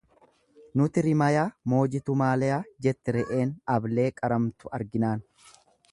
Nuyi rimayaa mooji tumaalayaa jette re'een ablee qaramtu arginaan.